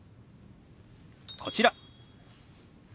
こちら。